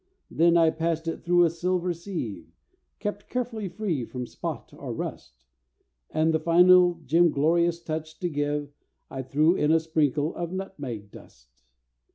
Then I passed it through a silver sieve Kept carefully free from spot or rust; And the final jimglorious touch to give, I threw in a sprinkle of nutmeg dust.